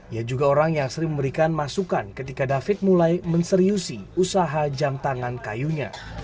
ia juga orang yang sering memberikan masukan ketika david mulai menseriusi usaha jam tangan kayunya